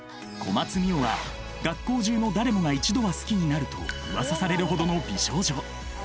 小松澪は学校中の誰もが一度は好きになるとうわさされるほどの美少女。